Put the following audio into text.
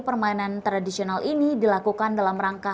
permainan tradisional ini dilakukan dalam rangka